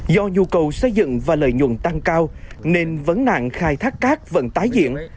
do nhu cầu xây dựng và lợi nhuận tăng cao nên vấn nạn khai thác cát vẫn tái diễn